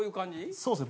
そうですね